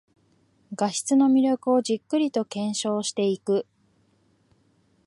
画質の魅力をじっくりと検証していく